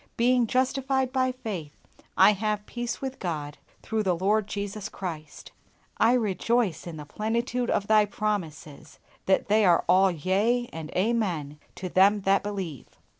Being justified by faith, I have peace with God through the Lord Jesus Christ. I rejoice in the plenitude of Thy promises, that they are all yea and amen to them that believe.